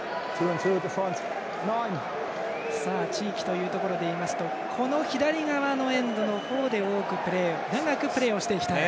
地域というところでいいますとこの左側のエンドの方で長くプレーをしてきた。